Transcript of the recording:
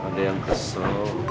ada yang kesel